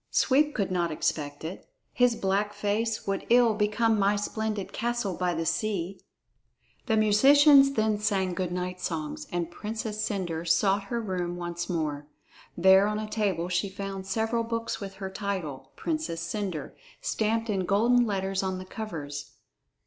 Sweep could not expect it. His black face would ill become my splendid castle by the sea." The musicians then sang good night songs, and Princess Cendre sought her room once more. There on a table she found several books with her title, "Princess Cendre," stamped in golden letters on the covers.